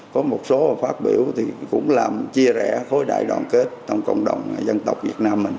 có một số phát biểu thì cũng làm chia rẽ khối đại đoàn kết trong cộng đồng dân tộc việt nam mình